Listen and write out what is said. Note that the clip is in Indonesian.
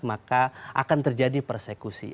maka akan terjadi persekusi